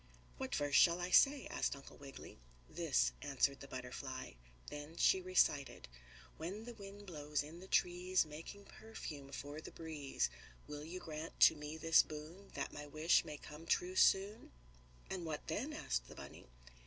"What verse shall I say?" asked Uncle Wiggily. "This," answered the butterfly. Then she recited: "When the wind blows in the trees, Making perfume for the breeze, Will you grant to me this boon, That my wish may come true soon?" "And what then?" asked the bunny.